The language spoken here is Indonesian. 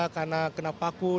karena kena paku